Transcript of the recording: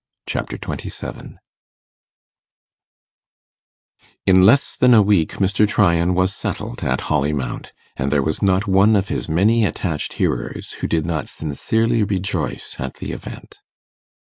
Chapter 27 In less than a week Mr. Tryan was settled at Holly Mount, and there was not one of his many attached hearers who did not sincerely rejoice at the event.